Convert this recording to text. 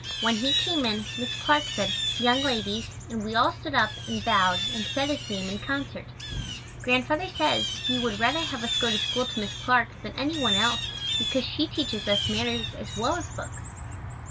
When he came in, Miss Clark said, "Young ladies," and we all stood up and bowed and said his name in concert. Grandfather says he would rather have us go to school to Miss Clark than any one else because she teaches us manners as well as books.